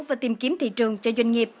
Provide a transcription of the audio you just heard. và tìm kiếm thị trường cho doanh nghiệp